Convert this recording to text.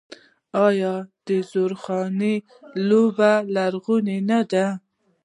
آیا د زورخانې لوبه لرغونې نه ده؟